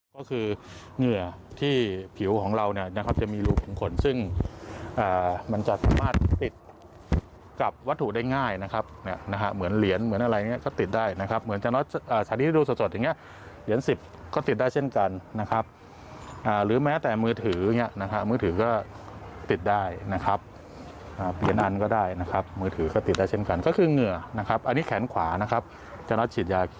ก็คือเหงื่ออันนี้แขนขวาจะรับฉีดยาแขนซ้าย